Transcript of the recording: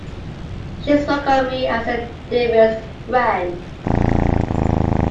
She spoke of me as her dearest friend.